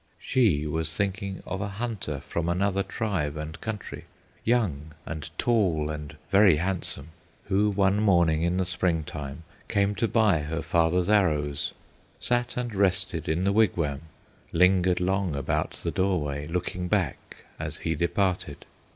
She was thinking of a hunter, From another tribe and country, Young and tall and very handsome, Who one morning, in the Spring time, Came to buy her father's arrows, Sat and rested in the wigwam, Lingered long about the doorway, Looking back as he departed.